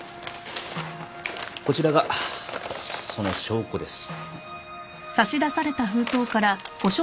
こちらがその証拠です。